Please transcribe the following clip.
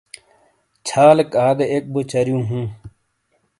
چھالیک آدے ایک بوچاریوں ہوں۔